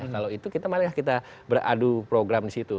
kalau itu kita malah kita beradu program di situ